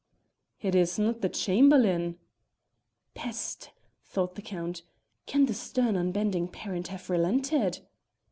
"It is not the Chamberlain?" "Peste!" thought the Count, "can the stern unbending parent have relented?